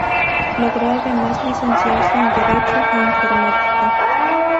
Logró además licenciarse en Derecho e Informática.